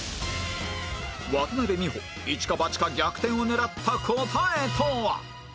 渡邉美穂イチかバチか逆転を狙った答えとは？